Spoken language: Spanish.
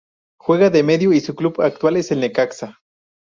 Juega de medio y su club actual es el Necaxa